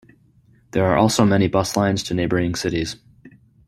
There are also many bus lines to neighbouring cities.